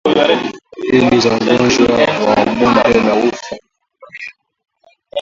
Dalili za ugonjwa wa bonde la ufa kwa ngamia